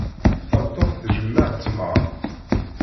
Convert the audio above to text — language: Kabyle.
Tameṭṭut tjemmeɛ tmeṛ.